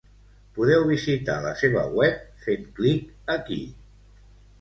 Podeu visitar la seva web fent clic aquí.